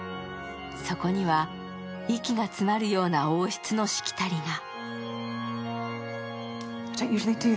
そこには息が詰まるような王室のしきたりが。